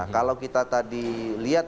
kalau kita tadi lihat